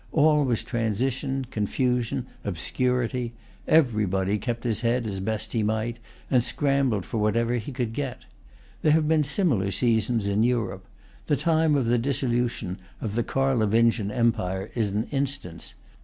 All was transition, confusion, obscurity. Everybody kept his head as he best might, and scrambled for whatever he could get. There have been similar seasons in Europe. The time of the dissolution of the Carlovingian empire is an instance.